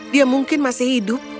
dia mungkin masih hidup